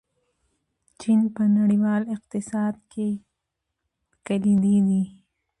چین په نړیوال اقتصاد کې کلیدي دی.